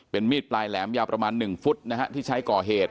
มีดปลายแหลมยาวประมาณ๑ฟุตนะฮะที่ใช้ก่อเหตุ